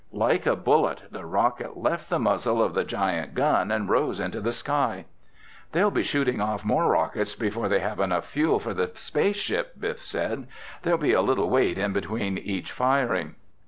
Like a bullet, the rocket left the muzzle of the giant gun and rose into the sky. "They'll be shooting off more rockets before they have enough fuel for the space ship," Biff said. "There'll be a little wait in between each firing."